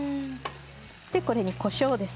これに、こしょうです。